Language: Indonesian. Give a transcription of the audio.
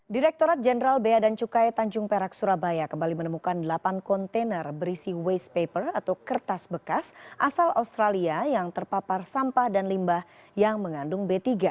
direkturat jenderal bea dan cukai tanjung perak surabaya kembali menemukan delapan kontainer berisi waste paper atau kertas bekas asal australia yang terpapar sampah dan limbah yang mengandung b tiga